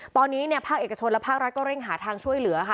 ตอนนี้เนี่ยภาคเอกชนและภาครัฐก็เร่งหาทางช่วยเหลือค่ะ